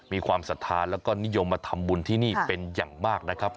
ความศรัทธาแล้วก็นิยมมาทำบุญที่นี่เป็นอย่างมากนะครับ